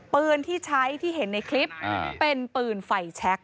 ปืนที่ใช้ที่เห็นในคลิปเป็นปืนไฟแชค